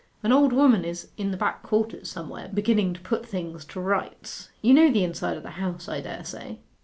An old woman is in the back quarters somewhere, beginning to put things to rights.... You know the inside of the house, I dare say?